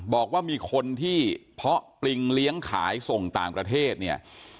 บอกว่ามีคนที่เพาะปริงเลี้ยงขายส่งต่างประเทศเนี่ย